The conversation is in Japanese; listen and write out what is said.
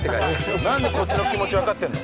何でこっちの気持ち分かってんの？